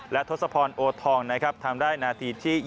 และทศพรโอทองนะครับทำได้นาทีที่๒